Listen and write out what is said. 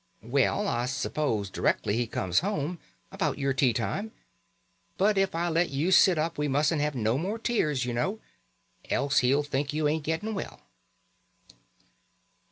"Well, I s'pose directly he comes home about your tea time. But if I let you sit up we mustn't have no more tears, you know, else he'll think you ain't getting well."